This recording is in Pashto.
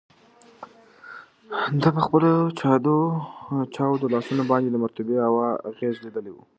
ده په خپلو چاودو لاسونو باندې د مرطوبې هوا اغیز لیدلی و.